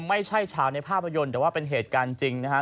ไม่ใช่ชาวในภาพยนตร์แต่ว่าเป็นเหตุการณ์จริงนะฮะ